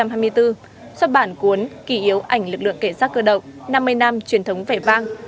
xuất bản cuốn kỳ yếu ảnh lực lượng cảnh sát cơ động năm mươi năm truyền thống vẻ vang